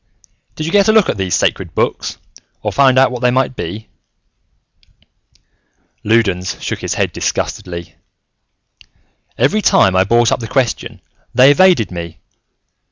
"Did you get a look at these Sacred Books, or find out what they might be?" Loudons shook his head disgustedly. "Every time I brought up the question, they evaded me.